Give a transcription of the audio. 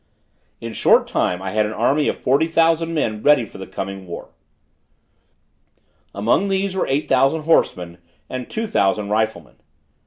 In a short time I had an army of forty thousand men ready for the coming war: among these were eight thousand horsemen and two thousand riflemen.